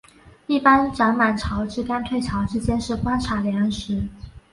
一般涨满潮至刚退潮之间是观察良时。